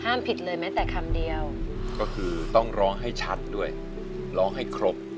ผิดเลยแม้แต่คำเดียวก็คือต้องร้องให้ชัดด้วยร้องให้ครบ